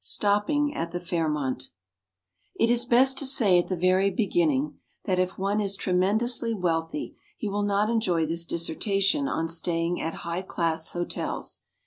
Stopping at the Fairmont It is best to say at the very beginning that if one is tremendously wealthy he will not enjoy this dissertation on staying at high class hotels.